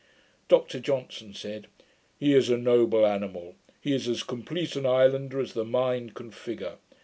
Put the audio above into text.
Dr Johnson said, 'He is a noble animal. He is as complete an islander as the mind can figure.